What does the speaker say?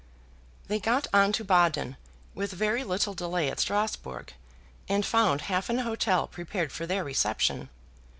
They got on to Baden, with very little delay at Strasbourg, and found half an hotel prepared for their reception.